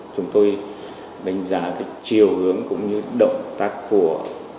chúng tôi đánh giá cái chiều hướng cũng như động tác của